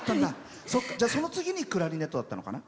その次にクラリネットだったのかな？